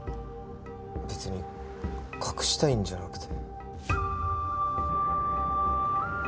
別に隠したいんじゃなくて。